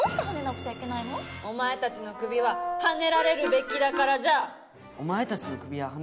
お前たちの首ははねられるべきだからじゃ。